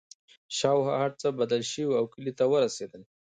شاوخوا هرڅه بدل شوي وو او کلي ته ورسېدل